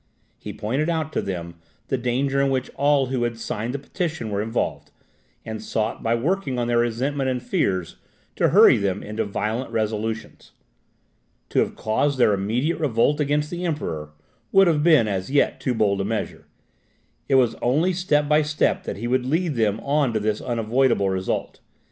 He pointed out to them the danger in which all who had signed the petition were involved, and sought by working on their resentment and fears to hurry them into violent resolutions. To have caused their immediate revolt against the Emperor, would have been, as yet, too bold a measure. It was only step by step that he would lead them on to this unavoidable result.